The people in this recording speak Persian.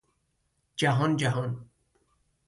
جهان جهان